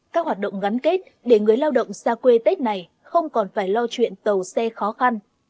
các hoạt động gắn kết để người lao động xa quê tết này không còn phải lo chuyện tàu xe khó khăn